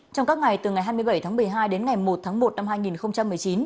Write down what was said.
trong các ngày từ ngày hai mươi bảy tháng một mươi hai đến ngày một tháng một năm hai nghìn một mươi chín